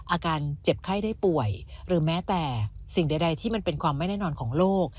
อาการเจ็บไข้ได้ป่วยหรือแม้แต่สิ่งใดที่มันเป็นความไม่แน่นอนของโลก